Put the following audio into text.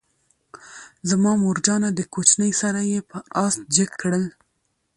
زما مورجانه دکوچنی سره یې پر آس جګ کړل،